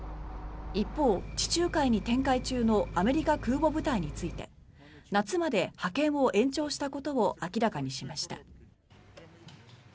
一方、地中海に展開中のアメリカ空母部隊について夏まで派遣を延長したことを明らかにしました。